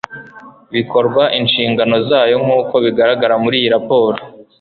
bikorwa inshingano zayo nk uko bigaragara muri iyi raporo